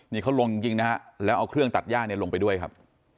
นี่เขาลงจริงนะฮะแล้วเอาเครื่องตัดย่าเนี่ยลงไปด้วยครับ